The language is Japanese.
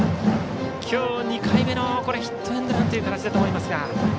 今日、２回目のヒットエンドランという形だと思いますが。